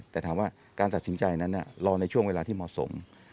แต่ถามว่าการตัดสินใจนั้นรอในช่วงเวลาที่เหมาะสม